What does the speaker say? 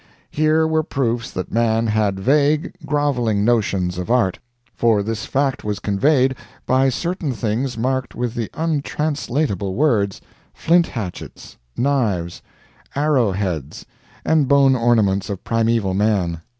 Here were proofs that Man had vague, groveling notions of art; for this fact was conveyed by certain things marked with the untranslatable words, 'FLINT HATCHETS, KNIVES, ARROW HEADS, AND BONE ORNAMENTS OF PRIMEVAL MAN.'